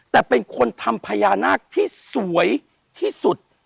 แต่เป็นคนทำพญานาคที่สวยที่สุด